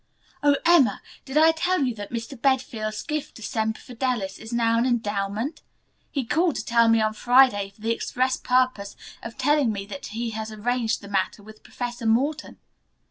Oh, Emma, did I tell you that Mr. Bedfield's gift to Semper Fidelis is now an endowment? He called to see me on Friday for the express purpose of telling me that he has arranged the matter with Professor Morton.